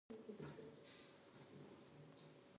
حقیقت مه پټوئ.